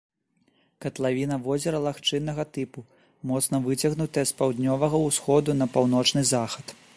Катлавіна возера лагчыннага тыпу, моцна выцягнутая з паўднёвага ўсходу на паўночны захад.